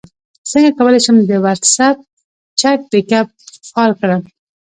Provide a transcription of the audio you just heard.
څنګه کولی شم د واټساپ چټ بیک اپ بحال کړم